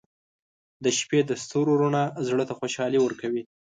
• د شپې د ستورو رڼا زړه ته خوشحالي ورکوي.